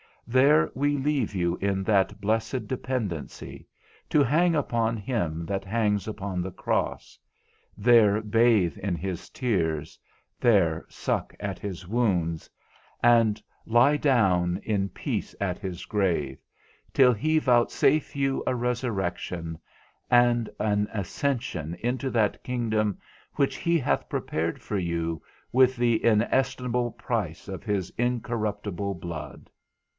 There we leave you in that blessed dependency, to hang upon him that hangs upon the cross, there bathe in his tears, there suck at his wounds, and lie down in peace in his grave, till he vouchsafe you a resurrection, and an ascension into that kingdom which He hath prepared for you with the inestimable price of his incorruptible blood.